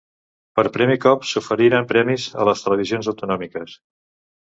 Per primer cop s'oferiren premis a les televisions autonòmiques.